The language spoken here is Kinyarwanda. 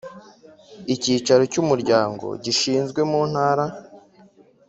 Icyicaro cy umuryango gishinzwe mu ntara